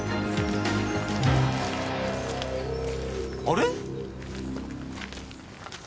あれ？